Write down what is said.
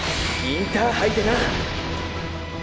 インターハイに。